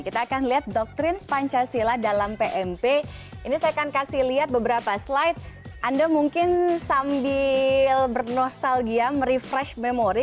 kita akan lihat doktrin pancasila dalam pmp ini saya akan kasih lihat beberapa slide anda mungkin sambil bernostalgia merefresh memori